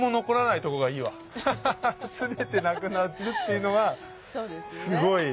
ハハハ全てなくなるっていうのがすごい。